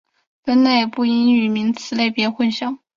分类词不应与名词类别混淆。